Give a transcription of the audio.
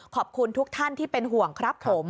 ขอบคุณทุกท่านที่เป็นห่วงครับผม